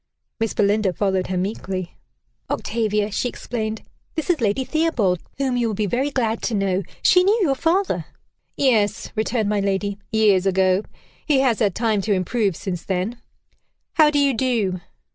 Miss Belinda followed her meekly. "Octavia," she explained, "this is Lady Theobald, whom you will be very glad to know. She knew your father." "Yes," returned my lady, "years ago. He has had time to improve since then. How do you do?"